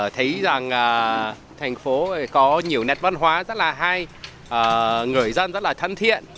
thấy rằng thành phố có nhiều nét văn hóa rất là hay người dân rất là thân thiện